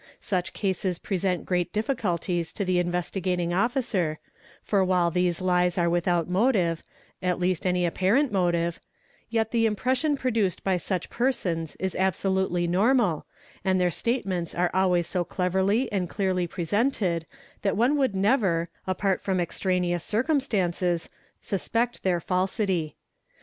Such cases present great difficulties to the Investigating Officer, for while these les are without motive, at least any apparent motive, yet the impression produced by such persons is absolutely normal, and their statements are always so cleverly and clearly presented that one would never, apart from extraneous cir cumstances, suspect their falsity.